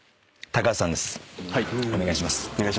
お願いします。